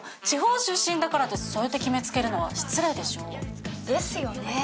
地方出身だからってそうやって決め付けるのは失礼でしょ？ですよね。